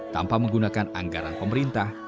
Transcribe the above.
tanpa menggunakan anggaran pemerintah